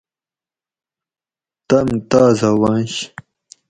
تۤم تازہ ونش